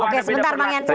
oke sebentar mbak nianshan